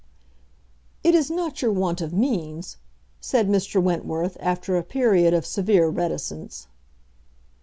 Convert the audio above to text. "It is not your want of means," said Mr. Wentworth, after a period of severe reticence.